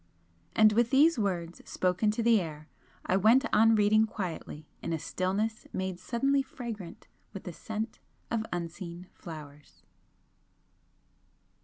And with these words spoken to the air, I went on reading quietly in a stillness made suddenly fragrant with the scent of unseen flowers.